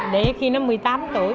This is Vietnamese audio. để khi nó một mươi tám tuổi